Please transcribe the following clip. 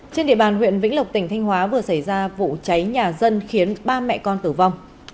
trên địa bàn huyện vĩnh lộc tỉnh thanh hóa vừa xảy ra vụ cháy nhà dân khiến ba mẹ con tử vong